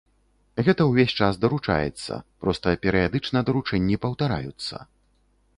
Гэта ўвесь час даручаецца, проста перыядычна даручэнні паўтараюцца.